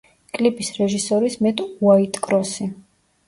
კლიპის რეჟისორის მეტ უაიტკროსი.